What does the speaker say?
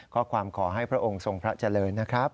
ก็ความขอให้พระองค์ส่งพระเจริญนะครับ